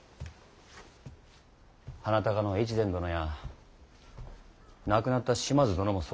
鼻高の越前殿や亡くなった島津殿もそうだ。